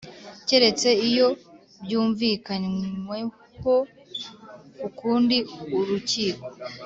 Keretse iyo byumvikanyweho ukundi urukiko